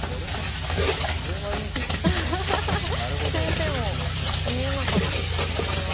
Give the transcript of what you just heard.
先生も見えなかったですかこれは。